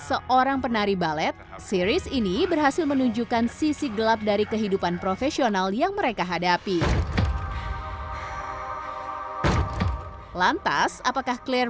saya tidak bisa melakukan apa apa dengan penari balet di kota kecil